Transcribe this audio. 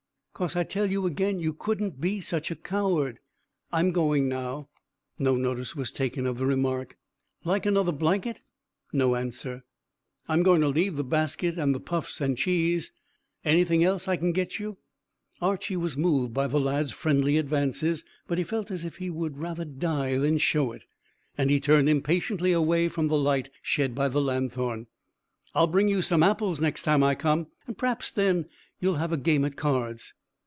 "'Cause I tell you agen you couldn't be such a coward. I'm going now." No notice was taken of the remark. "Like another blanket?" No answer. "I'm going to leave the basket and the puffs and cheese. Anything else I can get you?" Archy was moved by the lad's friendly advances, but he felt as if he would rather die than show it, and he turned impatiently away from the light shed by the lanthorn. "I'll bring you some apples next time I come, and p'r'aps then you'll have a game at cards."